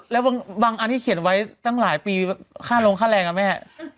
แล้วบางอันที่เขียนไว้ตั้งหลายปีค่าลงค่าแรงอะแม่